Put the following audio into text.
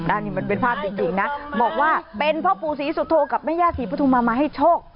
อันนี้มันเป็นภาพจริงนะบอกว่าเป็นพ่อปู่ศรีสุโธกับแม่ย่าศรีปฐุมามาให้โชค